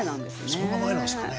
そんな前なんですかね。